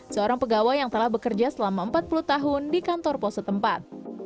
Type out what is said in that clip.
seorang pegawai yang telah bekerja selama empat puluh tahun di kantor pos setempat